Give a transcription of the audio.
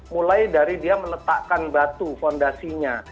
mulai dari dia meletakkan batu fondasinya